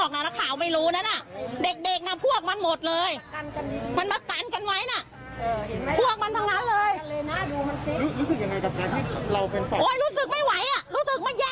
ฆ่ากันเป็นผักเป็นปลาอย่างงี้ตายเลย